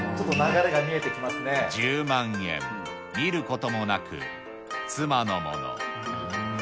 十万円見る事もなく妻のもの。